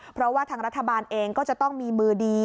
เพราะว่าทางรัฐบาลเองก็จะต้องมีมือดี